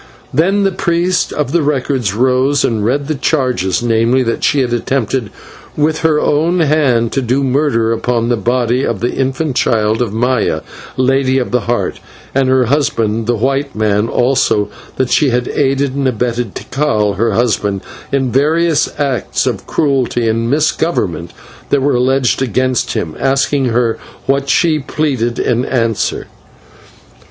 Then the Priest of the Records rose and read the charge, namely, that she had attempted with her own hand to do murder upon the body of the infant child of Maya, Lady of the Heart, and her husband, the white man; also that she had aided and abetted Tikal, her husband, in various acts of cruelty and misgovernment that were alleged against him, asking her what she pleaded in answer.